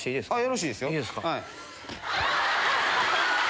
よろしいですよ。